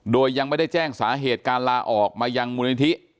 โดยยังไม่ได้แจ้งสาเหตุการลาออกมายังมูลนิธิ